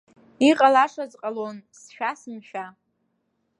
Иҟалашаз ҟалон, сшәа, сымшәа.